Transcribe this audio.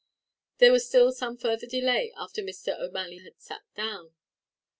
There was still some further delay after Mr. O'Malley had sat down.